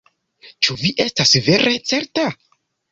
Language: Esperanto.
Ĉu vi estas vere certa?